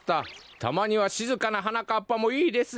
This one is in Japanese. たまにはしずかな「はなかっぱ」もいいですね！